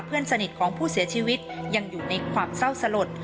เพื่อนสนิทของผู้เสียชีวิตยังอยู่ในความเศร้าสลด